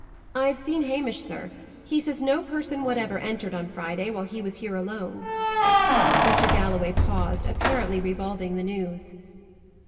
"I have seen Hamish, sir. He says no person whatever entered on Friday, while he was here alone." Mr. Galloway paused, apparently revolving the news.